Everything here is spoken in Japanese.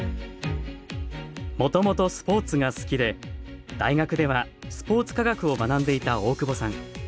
もともとスポーツが好きで大学ではスポーツ科学を学んでいた大久保さん。